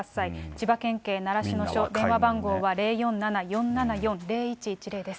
千葉県警習志野署、電話番号は０４７ー４７４ー０１１０です。